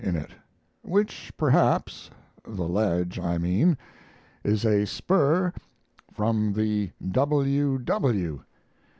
in it, which perhaps (the ledge, I mean) is a spur from the W.